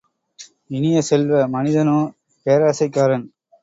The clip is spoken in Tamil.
இனிய செல்வ, மனிதனோ பேராசைக்காரன்.